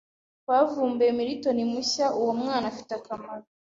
"twavumbuye Milton mushya uwo Mwana afite akamaro